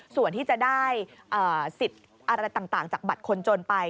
ส่วนที่จะได้สิทธิ์อะไรต่างจากบัตรคนจนไป